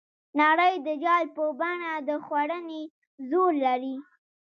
نړۍ د جال په بڼه د خوړنې زور لري.